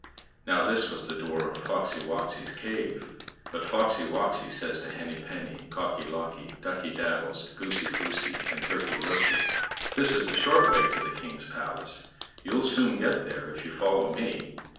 Now this was the door of Foxy woxy's cave. But Foxy woxy says to Henny penny, Cocky locky, Ducky daddles, Goosey poosey, and Turkey lurkey: "This is the short way to the king's palace: you'll soon get there if you follow me.